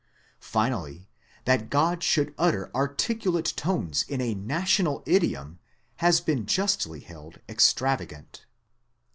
Finally, that God should utter articulate tones in a national idiom, has been justly held extravagant.